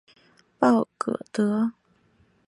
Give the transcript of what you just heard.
鲍戈德。